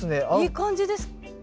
いい感じです。